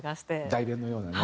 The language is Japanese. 代弁のようなね。